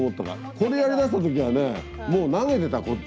これやりだした時はねもう投げてたこっち。